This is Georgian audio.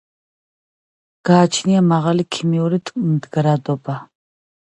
გააჩნია მაღალი ქიმიური მდგრადობა.